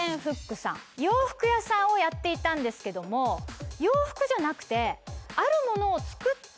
洋服屋さんをやっていたんですけども洋服じゃなくて。